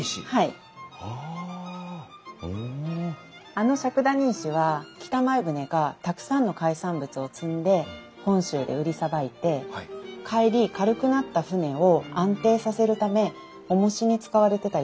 あの笏谷石は北前船がたくさんの海産物を積んで本州で売りさばいて帰り軽くなった船を安定させるためおもしに使われてた石なんです。